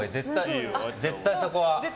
絶対そこは。